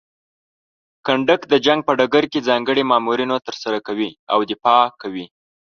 کنډک د جنګ په ډګر کې ځانګړي ماموریتونه ترسره کوي او دفاع کوي.